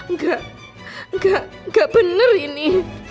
nggak nggak nggak bener ini